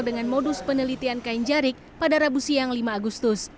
dengan modus penelitian kain jarik pada rabu siang lima agustus